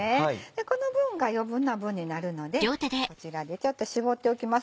この分が余分な分になるのでこちらでちょっと絞っておきます。